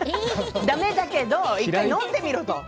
だめだけど１回飲んでみろと。